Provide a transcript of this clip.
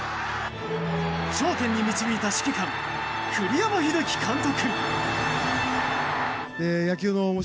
頂点に導いた指揮官栗山英樹監督。